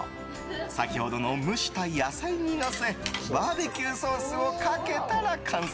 先ほどの蒸した野菜にのせバーベキューソースをかけたら完成。